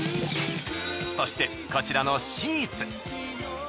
そしてこちらのシーツ。